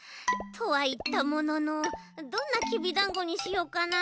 とはいったもののどんなきびだんごにしようかな？